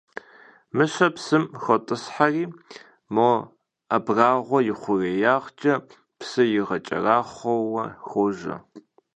Мыщэр псым хотӀысхьэри, мо абрагъуэм и хъуреягъкӀэ псыр игъэкӀэрахъуэу хуожьэ.